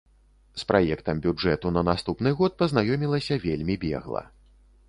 З праектам бюджэту на наступны год пазнаёмілася вельмі бегла.